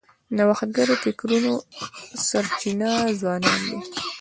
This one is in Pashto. د نوښتګرو فکرونو سرچینه ځوانان دي.